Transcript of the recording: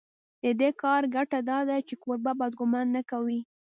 د دې کار ګټه دا ده چې کوربه بد ګومان نه کوي.